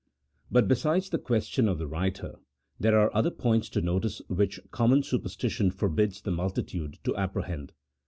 But besides the question of the writer, there are other points to notice which common superstition forbids the multitude to apprehend.